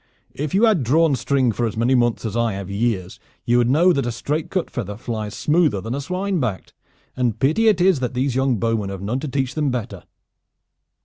If you had drawn string for as many months as I have years you would know that a straight cut feather flies smoother than a swine backed, and pity it is that these young bowmen have none to teach them better!"